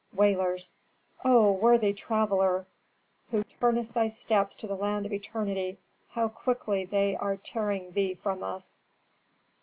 Wailers. "O worthy traveller, who turnest thy steps to the land of eternity, how quickly they are tearing thee from us."